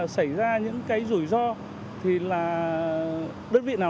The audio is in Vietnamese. cho những cái chương trình đó chưa